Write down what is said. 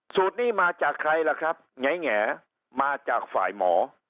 สูตรนี้มาจากใครล่ะครับแงมาจากฝ่ายหมอ